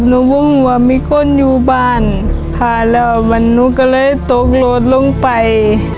หนูว่าไม่คนอยู่บ้านค่ะแล้ววันนี้หนูก็เลยตกโลดลงไป